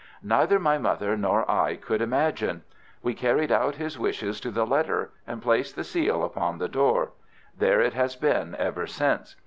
"Neither my mother nor I could imagine. We carried out his wishes to the letter, and placed the seal upon the door; there it has been ever since.